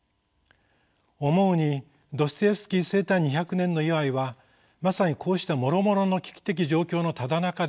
思うにドストエフスキー生誕２００年の祝いはまさにこうしたもろもろの危機的状況のただ中で行われているということ。